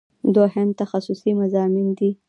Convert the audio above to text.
دوهم تخصصي مضامین دي.